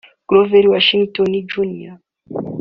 Grover Washington Jr